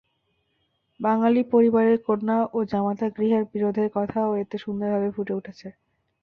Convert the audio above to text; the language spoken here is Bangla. বাঙালি পরিবারের কন্যা ও জামাতাগৃহের বিরোধের কথাও এতে সুন্দরভাবে ফুটে উঠেছে।